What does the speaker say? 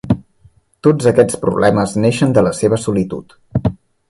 Tots aquests problemes neixen de la seva solitud.